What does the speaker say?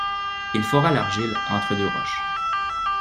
Il fora l'argile entre deux roches.